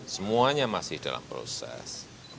semuanya masih dalam proses